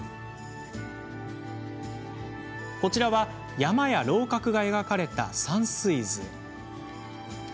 こちらは山や楼閣が描かれた山水図。